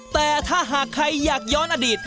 แต่ถ้าหากใครอยากย้อนอดีต